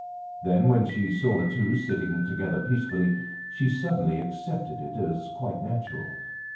Then, when she saw the two sitting together peacefully, she suddenly accepted it as quite natural.